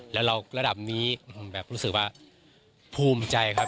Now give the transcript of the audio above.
แล้วเราระดับนี้แบบรู้สึกว่าภูมิใจครับ